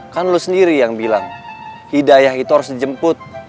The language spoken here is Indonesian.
kan lu sendiri yang bilang hidayah itu harus dijemput